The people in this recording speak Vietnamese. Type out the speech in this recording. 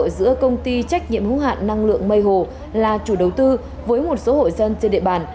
giữa công ty trách nhiệm hữu hạn năng lượng mây hồ là chủ đầu tư với một số hội dân trên địa bàn